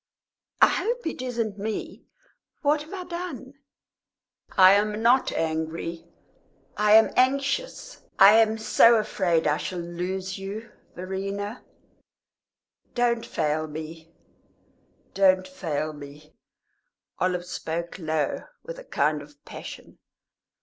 "I hope it isn't me. What have I done?" "I am not angry I am anxious. I am so afraid I shall lose you. Verena, don't fail me don't fail me!" Olive spoke low, with a kind of passion.